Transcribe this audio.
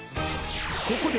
［ここで］